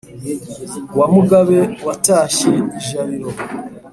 wa mugabe watashye ijabiro